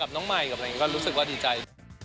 กับน้องมัยก็รู้สึกว่าดีใจ